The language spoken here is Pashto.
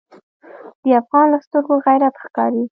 د افغان له سترګو غیرت ښکاري.